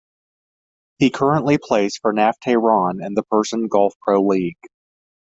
He currently plays for Naft Tehran in the Persian Gulf Pro League.